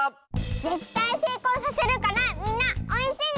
ぜったいせいこうさせるからみんなおうえんしてね！